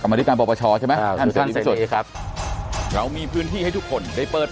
กรรมดิการประชอใช่ไหม